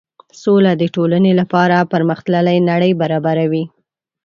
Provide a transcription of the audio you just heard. سوله د ټولنې لپاره پرمخ تللې نړۍ برابروي.